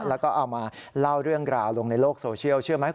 แล้วก็เอามาเล่าเรื่องราวลงในโลกโซเชียลเชื่อไหม